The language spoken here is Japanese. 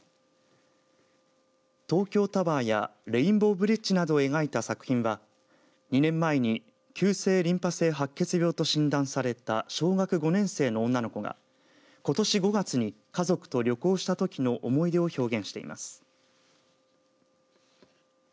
東京タワーやレインボーブリッジなどを描いた作品は２年前に急性リンパ性白血病と診断された小学５年生の女の子がことし５月に家族と旅行したときの思い出を表現しています。